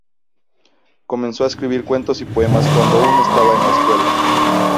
Comenzó a escribir cuentos y poemas cuando aún estaba en la escuela.